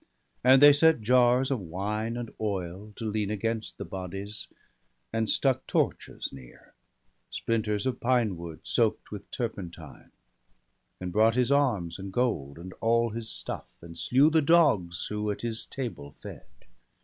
And they set jars of wine and oil to lean Against the bodies, and stuck torches near, Splinters of pine wood, soak'd with turpentine; And brought his arms and gold, and all his stuff, And slew the dogs who at his table fed.